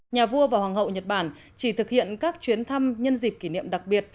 nhà vua và hoàng hậu nhật bản chỉ thực hiện các chuyến thăm nhân dịp kỷ niệm đặc biệt